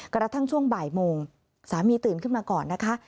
กระทั่งช่วงบ่ายโมงสามีตื่นขึ้นมาก่อนนะคะ